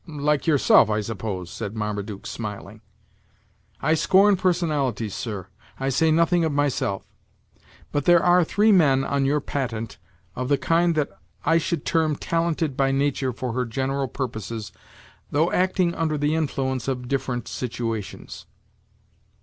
"Like yourself, I suppose," said Marmaduke, smiling. "I scorn personalities, sir, I say nothing of myself; but there are three men on your Patent, of the kind that I should term talented by nature for her general purposes though acting under the influence of different situations."